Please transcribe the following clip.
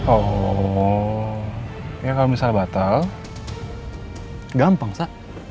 oh ya kalau misalnya batal gampang sak